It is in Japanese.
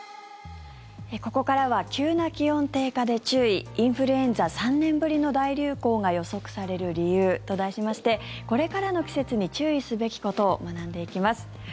ここからは急な気温低下で注意インフルエンザ３年ぶりの大流行が予測される理由と題しましてこれからの季節に注意すべきことを学んでいきます。